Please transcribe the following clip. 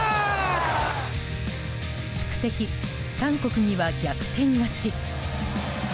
宿敵・韓国には逆転勝ち。